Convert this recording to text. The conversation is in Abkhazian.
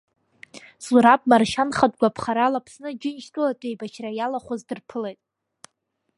Зураб Маршьан хатә гәаԥхарала Аԥсны Аџьынџьтәылатә еибашьра иалахәыз дырԥылеит.